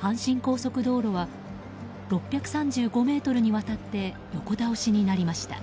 阪神高速道路は６３５ｍにわたって横倒しになりました。